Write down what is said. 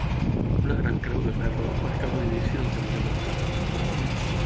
Una gran creu de ferro marcava l'inici del camí de Montcada.